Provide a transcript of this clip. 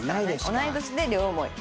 同い年で両思い。